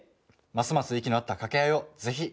ますます息の合った掛け合いをぜひ。